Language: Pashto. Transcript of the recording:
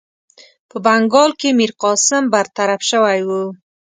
په بنګال کې میرقاسم برطرف شوی وو.